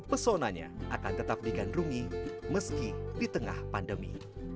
pesonanya akan tetap digandrungi meski di tengah pandemi